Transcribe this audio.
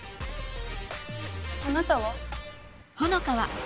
あなたは？